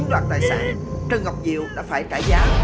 em kiếp em